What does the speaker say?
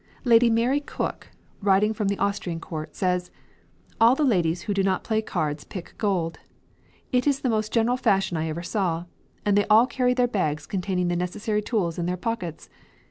Lady Mary Coke, writing from the Austrian Court, says: "All the ladies who do not play cards pick gold. It is the most general fashion I ever saw, and they all carry their bags containing the necessary tools in their pockets.